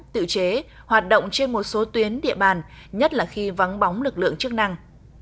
tự chế hoạt động trên một số tuyến địa bàn nhất là khi vắng bóng lực lượng chức năng